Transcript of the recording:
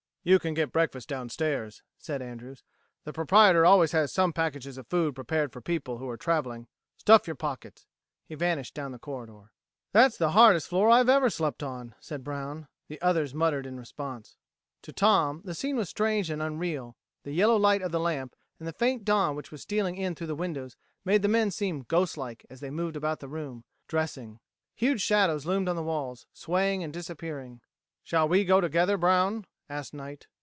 "You can get breakfast downstairs," said Andrews. "The proprietor always has some packages of food prepared for people who are traveling. Stuff your pockets." He vanished down the corridor. "That's the hardest floor I've ever slept on," said Brown. The others muttered in response. To Tom, the scene was strange and unreal. The yellow light of the lamp and the faint dawn which was stealing in through the windows made the men seem ghost like as they moved about the room, dressing. Huge shadows loomed on the walls, swaying and disappearing. "Shall we go together, Brown!" asked Knight.